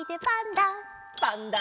「パンダ」